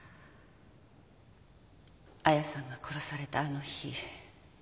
亜矢さんが殺されたあの日。